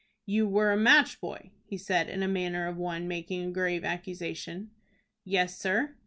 "You were a match boy?" he said, in the manner of one making a grave accusation. "Yes, sir."